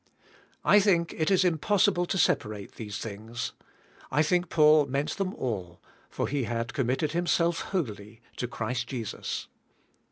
I think it is impossible to separate these things. I think Paul meant them all, for he had committed himself wholly to Christ Jesus.